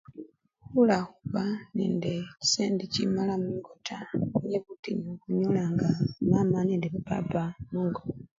Khulakhuba nende chisendi chimala mungo taa nibwo butinyu bunyolanga mama nende bapapa mungo.